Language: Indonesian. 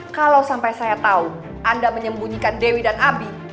kalau sampai saya tahu anda menyembunyikan dewi dan abi